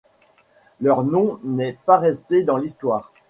Leurs noms n'est pas resté dans l'histoire.